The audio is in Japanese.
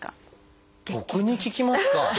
僕に聞きますか？